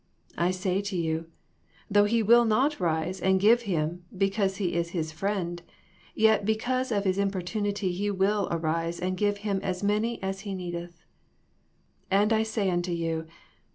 I say unto you, Though he will not rise and give him, because he is his friend, yet because of his importunity he will arise and give him as many as he needeth. And I say unto you.